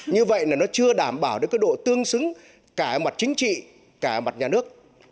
như vậy là nó chưa đảm bảo được cái độ tương xứng cả mặt chính trị cả mặt nhà nước